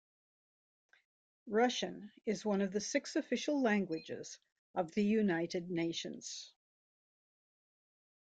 Russian is one of the six official languages of the United Nations.